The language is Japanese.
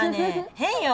変よ！